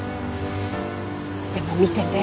でも見てて。